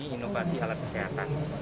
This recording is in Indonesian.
ini inovasi alat kesehatan